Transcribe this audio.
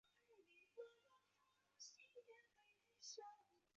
毕业于中国传媒大学。